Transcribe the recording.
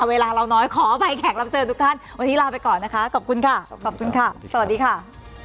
เวลาเราน้อยขออภัยแขกรับเชิญทุกท่านวันนี้ลาไปก่อนนะคะขอบคุณค่ะขอบคุณค่ะสวัสดีค่ะ